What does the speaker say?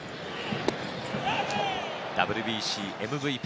ＷＢＣ、ＭＶＰ。